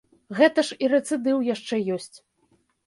Гэта ж і рэцыдыў яшчэ ёсць.